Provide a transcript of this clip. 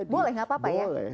boleh gak apa apa ya